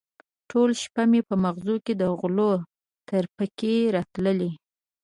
ټوله شپه مې په مغزو کې د غلو ترپکې راتلې.